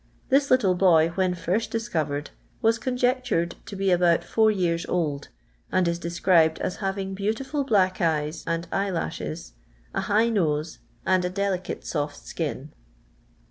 This little bt»y, when first discovered, was I conjectured to be about four years old, and is j described as having beautiful black eyes and cye ' lashes, a high nose, and a delicate soft skin."